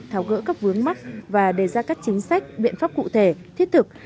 tháo gỡ các vướng mắc và đề ra các chính sách biện pháp cụ thể thiết thực